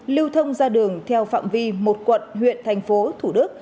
lưu thông ra đường theo phạm vi một quận huyện thành phố thủ đức